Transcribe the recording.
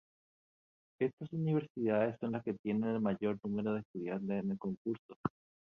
Estas universidades son las que tienen el mayor número de estudiantes en el concurso.